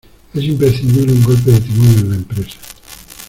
Es imprescindible un golpe de timón en la empresa.